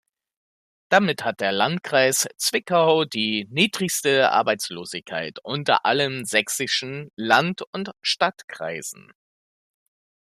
Damit hat der Landkreis Zwickau die niedrigste Arbeitslosigkeit unter allen sächsischen Land- und Stadtkreisen.